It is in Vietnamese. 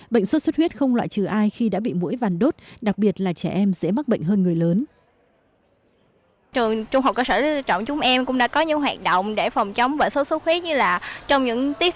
bệnh sốt xuất huyết không loại trừ ai khi đã bị mũi vàn đốt đặc biệt là trẻ em dễ mắc bệnh hơn người lớn